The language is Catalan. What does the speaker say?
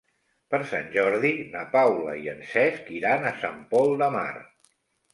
Per Sant Jordi na Paula i en Cesc iran a Sant Pol de Mar.